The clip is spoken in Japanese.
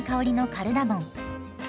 カルダモン！